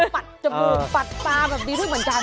ปัดจมูกปัดตาแบบนี้ด้วยเหมือนกัน